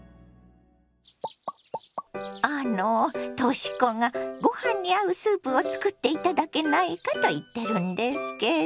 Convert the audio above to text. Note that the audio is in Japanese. あのとし子がご飯に合うスープを作って頂けないかと言ってるんですけど。